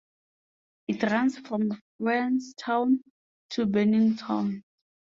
It runs from Francestown to Bennington.